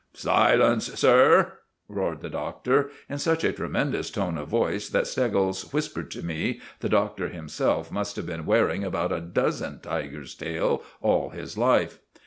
"Silence, sir!" roared the Doctor in such a tremendous tone of voice that Steggles whispered to me the Doctor himself must have been wearing about a dozen tigers' tails all his life.